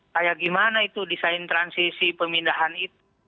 kayak gimana itu desain transisi pemindahan itu